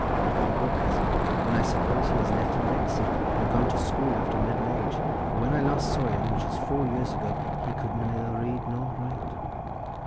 Written a book has he? then I suppose he has been left a legacy, and gone to school after middle age, for when I last saw him, which is four years ago, he could neither read nor write."